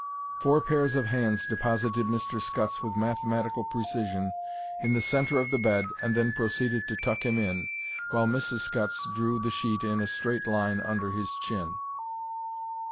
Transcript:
Four pairs of hands deposited Mr. Scutts with mathematical precision in the centre of the bed and then proceeded to tuck him in, while Mrs. Scutts drew the sheet in a straight line under his chin.